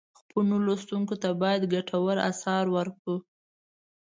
خپلو لوستونکو ته باید ګټور آثار ورکړو.